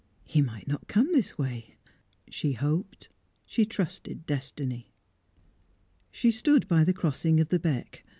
He might not come this way. She hoped she trusted Destiny. She stood by the crossing of the beck.